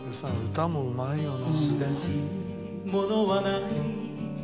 歌もうまいよな。